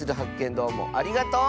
どうもありがとう！